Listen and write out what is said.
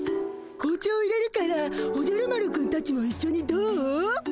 紅茶をいれるからおじゃる丸くんたちもいっしょにどう？